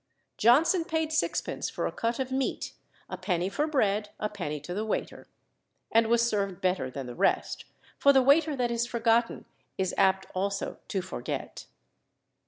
Johnson paid sixpence for a cut of meat (a penny for bread, a penny to the waiter), and was served better than the rest, for the waiter that is forgotten is apt also to forget.